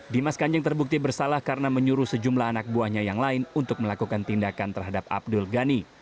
dimas kanjeng terbukti bersalah karena menyuruh sejumlah anak buahnya yang lain untuk melakukan tindakan terhadap abdul ghani